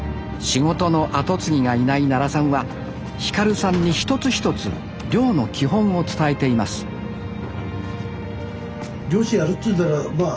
仕事の後継ぎがいない奈良さんは輝さんに一つ一つ漁の基本を伝えています漁師やるっつうんならまあ